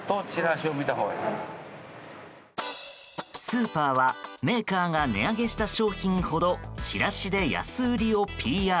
スーパーはメーカーが値上げした商品ほどチラシで安売りをＰＲ。